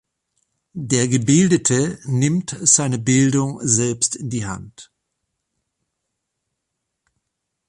Der Gebildete nimmt seine Bildung selbst in die Hand.